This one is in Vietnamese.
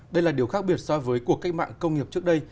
đây là điều khác biệt so với cuộc cách mạng công nghiệp trước đây